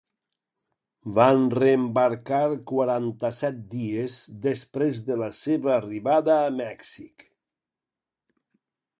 Van reembarcar quaranta-set dies després de la seva arribada a Mèxic.